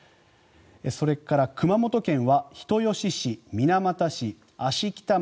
それから熊本県は人吉市、水俣市、芦北町